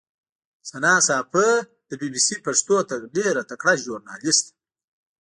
ثنا ساپۍ د بي بي سي پښتو ډېره تکړه ژورنالیسټه